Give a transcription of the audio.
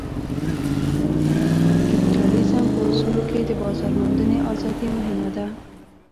کپیټالیزم په اصولو کې د بازار موندنې ازادي مهمه ده.